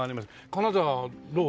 金沢はどう？